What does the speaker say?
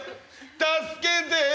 助けてよ。